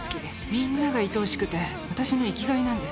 みんながいとおしくて私の生きがいなんです。